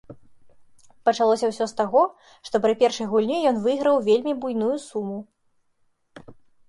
Пачалося ўсё з таго, што пры першай гульні ён выйграў вельмі буйную суму.